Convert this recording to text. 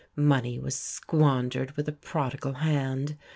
Money was squandered with a prodigal hand.